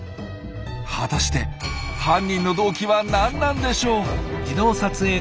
果たして犯人の動機は何なんでしょう？